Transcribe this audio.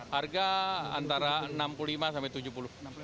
harga antara rp enam puluh lima sampai rp tujuh puluh